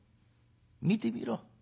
見てみろ。